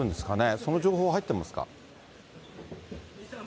その情報、入ってますか？